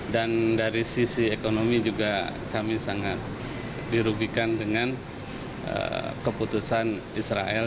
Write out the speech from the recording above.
dan dari sisi ekonomi juga kami sangat dirugikan dengan keputusan israel